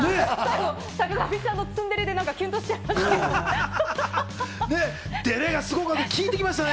坂上さんのツンデレでキュンとしちゃいました。